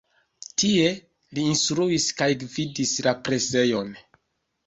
Tie li instruis kaj gvidis la presejon.